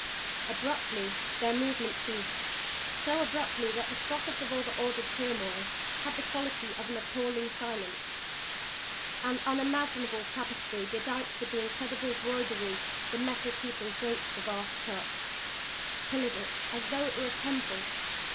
Abruptly their movement ceased so abruptly that the stoppage of all the ordered turmoil had the quality of appalling silence. An unimaginable tapestry bedight with incredible broidery, the Metal People draped the vast cup. Pillared it as though it were a temple.